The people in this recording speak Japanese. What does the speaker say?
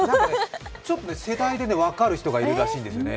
ちょっと世代で分かる人がいるらしいんですね。